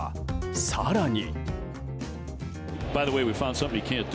更に。